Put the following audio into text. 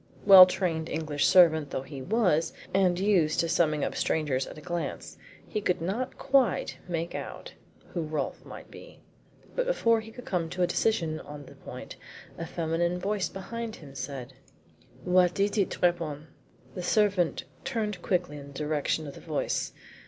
Well trained English servant though he was, and used to summing up strangers at a glance, he could not quite make out who Rolfe might be. But before he could come to a decision on the point a feminine voice behind him said: "What is it, Trappon?" The servant turned quickly in the direction of the voice.